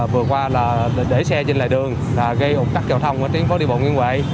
vừa qua là để xe trên lại đường gây ụt cắt giao thông ở tiến phố đi bộ nguyên huệ